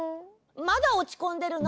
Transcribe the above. まだおちこんでるの？